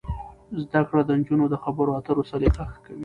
زده کړه د نجونو د خبرو اترو سلیقه ښه کوي.